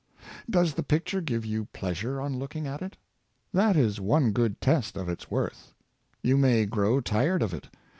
Does the picture give you pleasure on looking at it ? That is one good test of its worth. You may grow tired of it.